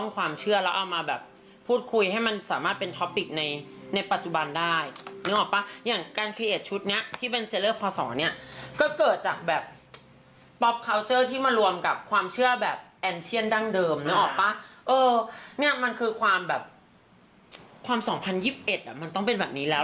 คือความ๒๐๒๑มันต้องเป็นแบบนี้แล้ว